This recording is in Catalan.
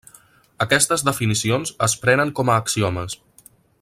Aquestes definicions es prenen com a axiomes.